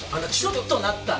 ちょっとなったな。